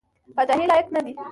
پاچهي لایق نه دی.